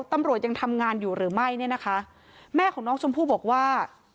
ตำรวจยังทำงานอยู่หรือไม่เนี่ยนะคะแม่ของน้องชมพู่บอกว่า